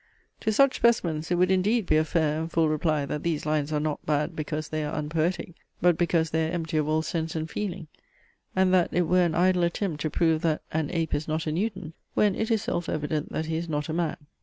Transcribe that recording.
To such specimens it would indeed be a fair and full reply, that these lines are not bad, because they are unpoetic; but because they are empty of all sense and feeling; and that it were an idle attempt to prove that "an ape is not a Newton, when it is self evident that he is not a man."